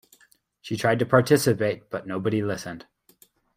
She tried to participate, but nobody listened.